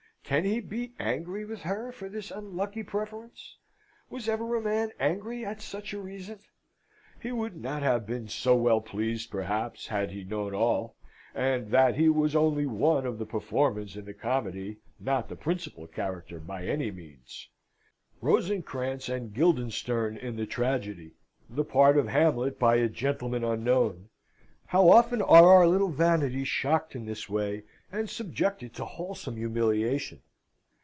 Can he be angry with her for this unlucky preference? Was ever a man angry at such a reason? He would not have been so well pleased, perhaps, had he known all; and that he was only one of the performers in the comedy, not the principal character by any means; Rosencrantz and Guildenstern in the Tragedy, the part of Hamlet by a gentleman unknown. How often are our little vanities shocked in this way, and subjected to wholesome humiliation!